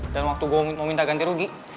dan waktu gua mau minta ganti rugi